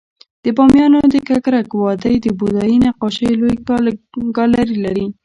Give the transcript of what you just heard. د بامیانو د ککرک وادی د بودایي نقاشیو لوی ګالري لري